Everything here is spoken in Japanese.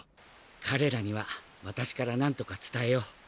彼らには私から何とか伝えよう。